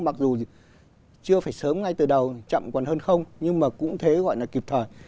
mặc dù chưa phải sớm ngay từ đầu chậm còn hơn không nhưng mà cũng thế gọi là kịp thời